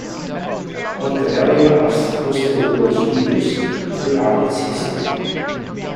Montebello has hosted the world's leaders throughout its history.